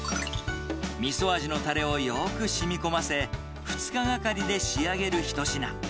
みそ味のたれをよくしみこませ、２日がかりで仕上げる一品。